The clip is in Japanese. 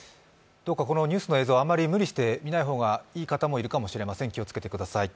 どうかこのニュースの映像、無理して見ない方がいい方もいるかもしれません、気を付けてください。